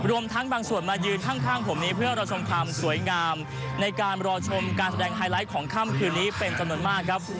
รวมทั้งบางส่วนมายืนข้างผมนี้เพื่อรอชมความสวยงามในการรอชมการแสดงไฮไลท์ของค่ำคืนนี้เป็นจำนวนมากครับ